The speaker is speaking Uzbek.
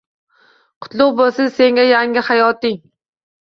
Qutlug’ bo’lsin senga yangi hayoting.